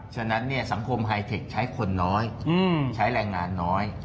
ฉะนั้นสังคมไฮเทคใช้คนน้อยใช้แรงงานน้อย